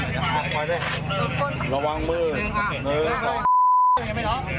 ยังงี้ได้มั้ย